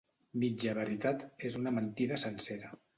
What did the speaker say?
Mitja veritat és una mentida sencera.